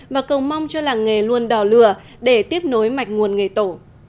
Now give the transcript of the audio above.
và cầu mong cho làng nghề luôn đỏ lửa để tiếp nối mạch nguồn nghề tổ